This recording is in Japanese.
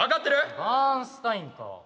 バーンスタインか。